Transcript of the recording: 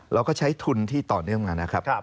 เราก็ใช้ทุนที่ต่อเนื่องกันนะครับ